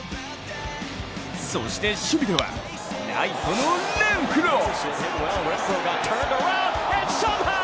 そして守備ではライトのレンフロー。